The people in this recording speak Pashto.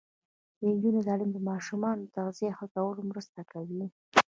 د نجونو تعلیم د ماشومانو تغذیه ښه کولو مرسته کوي.